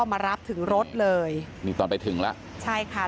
มารับถึงรถเลยนี่ตอนไปถึงแล้วใช่ค่ะ